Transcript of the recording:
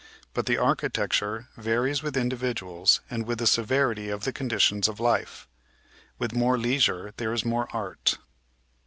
But the architecture varies with individuals and with the severity of the conditions of life. With more leisure, there is more art.